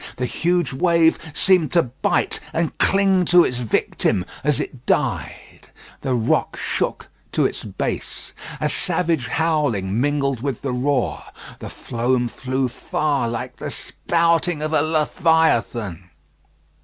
The huge wave seemed to bite and cling to its victim as it died. The rock shook to its base. A savage howling mingled with the roar; the foam flew far like the spouting of a leviathan.